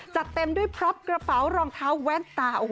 จะเต็มด้วยพล็อปกระเป๋ารองเท้าแว่นตา